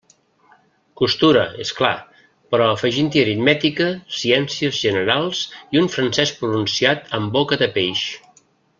Costura, és clar, però afegint-hi aritmètica, ciències generals, i un francés pronunciat amb boca de peix.